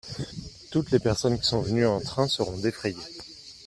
Toutes les personnes qui sont venus en train seront défrayées.